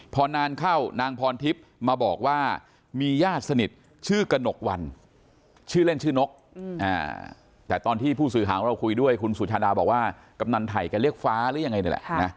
พอนานเข้านางพรทิพย์มาบอกว่ามีญาติสนิทชื่อกระหนกวันชื่อเล่นชื่อนกแต่ตอนที่ผู้สื่อข่าวของเราคุยด้วยคุณสุชาดาบอกว่ากำนันไถ่แกเรียกฟ้าหรือยังไงนี่แหละ